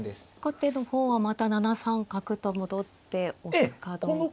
後手の方はまた７三角と戻っておくかどうか。